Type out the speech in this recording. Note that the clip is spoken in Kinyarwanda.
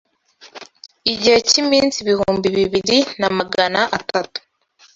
igihe cy’iminsi ibihumbi bibiri na Magana atatu